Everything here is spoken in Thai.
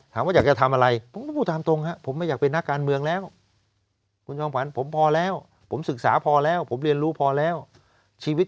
ถามว่าอยากจะทำอะไรผมไม่อยากเป็นนักการเมืองแล้วผมพอแล้วผมศึกษาพอแล้วผมเรียนรู้พอแล้วชีวิต